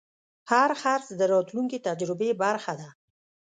هر خرڅ د راتلونکي تجربې برخه ده.